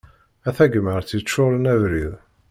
A tagmart yeččuren abrid.